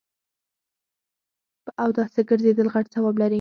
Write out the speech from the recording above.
په اوداسه ګرځیدل غټ ثواب لري